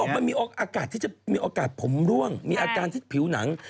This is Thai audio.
มันมีโอกาสที่จะมีโอกาสผมร่วงมีอาการที่ผิวหนัง